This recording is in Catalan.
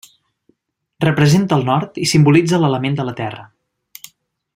Representa el nord i simbolitza l'element de la terra.